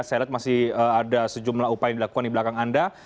saya lihat masih ada sejumlah upaya yang dilakukan di belakang anda